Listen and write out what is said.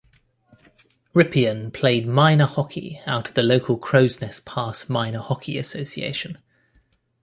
Rypien played minor hockey out of the local Crowsnest Pass Minor Hockey Association.